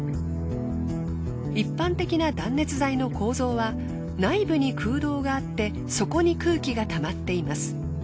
一般的な断熱材の構造は内部に空洞があってそこに空気がたまっています。